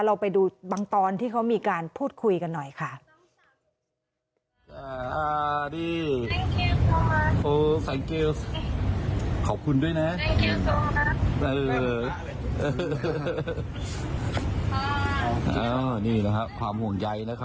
เราไปดูบางตอนที่เขามีการพูดคุยกันหน่อยค่ะ